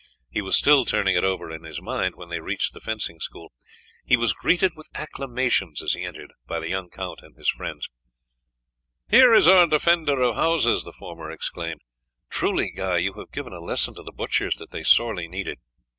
He was still turning it over in his mind when they reached the fencing school. He was greeted with acclamations as he entered by the young count and his friends. "Here is our defender of houses," the former exclaimed. "Truly, Guy, you have given a lesson to the butchers that they sorely needed.